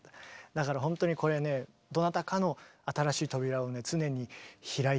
だからほんとにこれねどなたかの新しい扉をね常に開いてると思います。